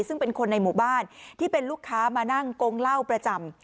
ซึ่งเป็นคนในหมู่บ้านที่เป็นลูกค้ามานั่งโกงเหล้าประจำ